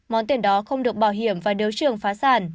món tiền đó không được bảo hiểm và nếu trường phá sản